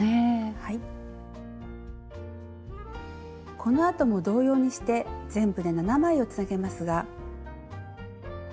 このあとも同様にして全部で７枚をつなげますが。